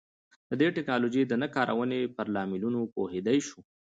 د دې ټکنالوژۍ د نه کارونې پر لاملونو پوهېدای شو.